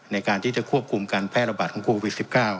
ในการที่จะควบคุมการแพร่ระบาดของโควิด๑๙